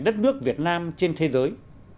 đất nước việt nam trên thế giới